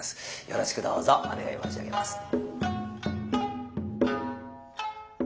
よろしくどうぞお願い申し上げます。